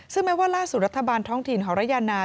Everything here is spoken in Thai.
ซึ่งแม้ว่าล่าสุดรัฐบาลท้องถิ่นหอรยานา